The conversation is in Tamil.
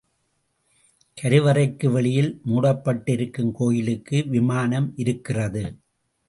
கருவறைக்கு வெளியில் மூடப்பட்டிருக்கும் கோயிலுக்கு விமானம் இருக்கிறது.